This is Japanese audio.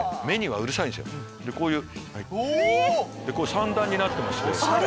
３段になってまして。